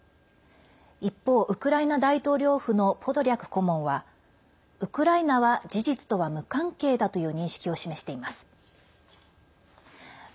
一方、ウクライナ大統領府のポドリャク顧問はウクライナは事実とは無関係だという認識を示しています。